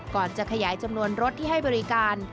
จะขยายจำนวนรถที่ให้บริการ